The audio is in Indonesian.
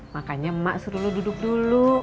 makanya mbak suruh lo duduk dulu